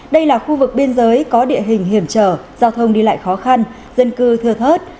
đây là khu vực biên giới có địa hình hiểm trở giao thông đi lại khó khăn dân cư thưa thớt